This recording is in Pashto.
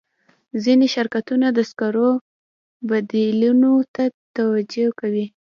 ځینې شرکتونه د سکرو بدیلونو ته توجه کوي.